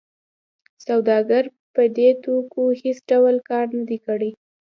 سوداګر په دې توکو هېڅ ډول کار نه دی کړی